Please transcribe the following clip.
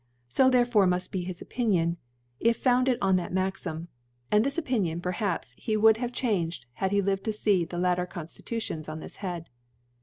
So therefore mufl be his Opinion, if founded on that Maxim; and this Opinion, perhaps, he would have changed, had he lived to fee the later Conftitutions oh this Head.